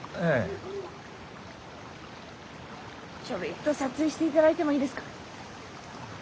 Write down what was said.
ちょびっと撮影していただいてもいいですか？